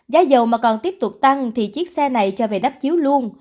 giá dầu mà còn tiếp tục tăng thì chiếc xe này cho về đắp chiếu luôn